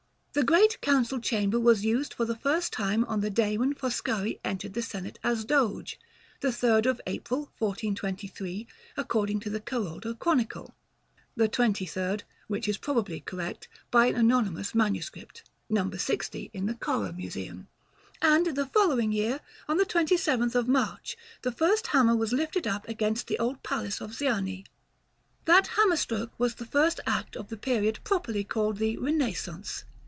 The Great Council Chamber was used for the first time on the day when Foscari entered the Senate as Doge, the 3rd of April, 1423, according to the Caroldo Chronicle; the 23rd, which is probably correct, by an anonymous MS., No. 60, in the Correr Museum; and, the following year, on the 27th of March, the first hammer was lifted up against the old palace of Ziani. § XXV. That hammer stroke was the first act of the period properly called the "Renaissance."